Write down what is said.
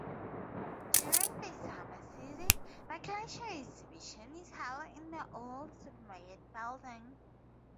During the summer season, the Glacier Exhibition is held in the old supermarket building.